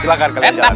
silahkan kalian jalan